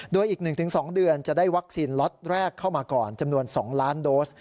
โดยอีก๑๒เดือนจะได้วัคซีนล็อตแรกเข้ามาก่อนจำนวน๒ล้านโดส